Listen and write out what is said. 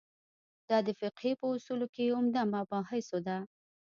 دا د فقهې په اصولو کې عمده مباحثو ده.